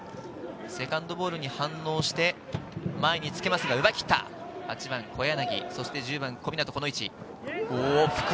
セカンドボールに反応して、前につけますが奪いきった、８番・小柳、１０番・小湊。